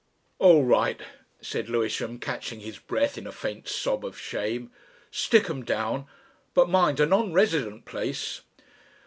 "All right," said Lewisham, catching his breath in a faint sob of shame, "Stick 'em down. But mind a non resident place."